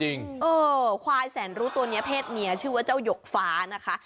เออควายแสนรู้ตัวนี้เพศเมียชื่อว่าเจ้าหยกฟ้านะคะ